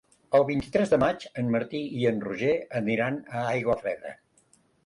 El vint-i-tres de maig en Martí i en Roger aniran a Aiguafreda.